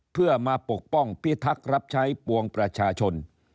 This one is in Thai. เพื่อมาปกป้องพิทักษ์รับใช้ปวงประชาชน